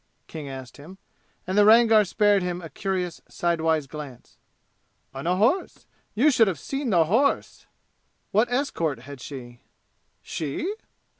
King asked him, and the Rangar spared him a curious sidewise glance. "On a horse. You should have seen the horse!" "What escort had she?" "She?"